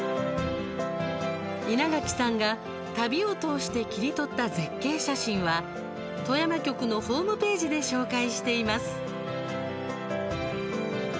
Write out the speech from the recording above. イナガキさんが旅を通して切り取った絶景写真は富山局のホームページで紹介しています。